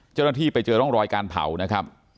เจ้าหน้าที่ไปเจอร่องรอยการเผานะครับ